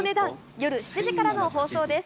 夜７時からの放送です。